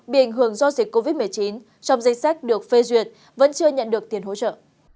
bị ảnh hưởng do dịch covid một mươi chín trong danh sách được phê duyệt vẫn chưa nhận được tiền hỗ trợ